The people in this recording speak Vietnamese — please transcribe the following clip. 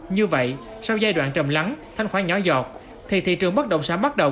như vậy sau giai đoạn trầm lắng thanh khoái nhỏ dọt thì thị trường bất động sản bắt đầu